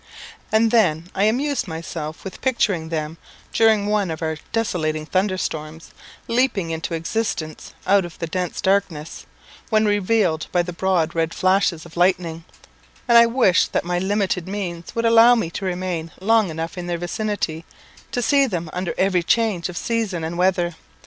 And then I amused myself with picturing them, during one of our desolating thunderstorms, leaping into existence out of the dense darkness, when revealed by the broad red flashes of lightning; and I wished that my limited means would allow me to remain long enough in their vicinity, to see them under every change of season and weather.